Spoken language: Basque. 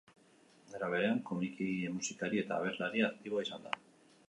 Era berean, komiki egile, musikari eta abeslari aktiboa izan da.